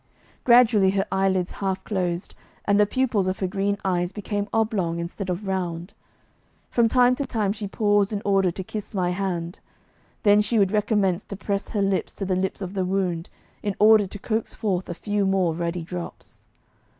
Gradually her eyelids half closed, and the pupils of her green eyes became oblong instead of round. From time to time she paused in order to kiss my hand, then she would recommence to press her lips to the lips of the wound in order to coax forth a few more ruddy drops.